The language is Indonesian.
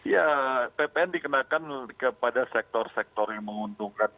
ya ppn dikenakan kepada sektor sektor yang menguntungkan